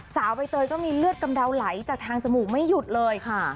ใบเตยก็มีเลือดกำเดาไหลจากทางจมูกไม่หยุดเลยค่ะ